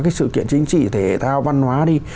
cái sự kiện chính trị thể thao văn hóa đi